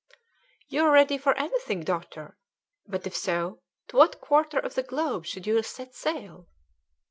"You are ready for anything, doctor; but if so, to what quarter of the globe should you set sail?"